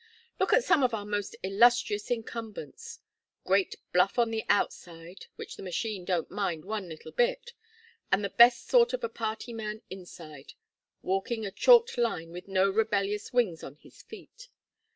Look at some of our most illustrious incumbents. Great bluff on the outside which the machine don't mind one little bit and the best sort of a party man inside; walking a chalked line with no rebellious wings on his feet.